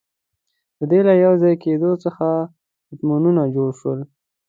د دې له یوځای کېدو څخه اتمونه جوړ شول.